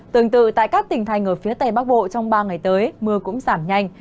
tương tự tại các tỉnh thành ở phía tây bắc bộ trong ba ngày tới mưa cũng giảm nhanh